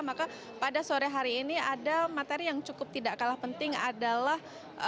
maka pada sore hari ini ada materi yang cukup tidak kalah penting adalah